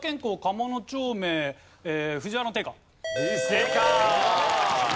正解！